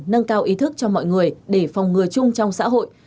nâng cao ý thức cho mọi người để phòng ngừa chung trong xã hội